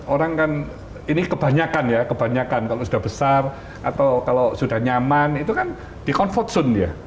orang kan ini kebanyakan ya kebanyakan kalau sudah besar atau kalau sudah nyaman itu kan di confort zone ya